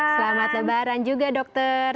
selamat lebaran juga dokter